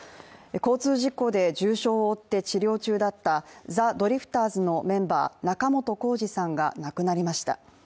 交通事故で重傷を負って治療中だったザ・ドリフターズのメンバー、仲本工事さんが亡くなりました。